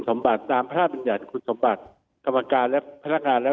สมบัติตามพระราชบัญญัติคุณสมบัติกรรมการและพนักงานแล้ว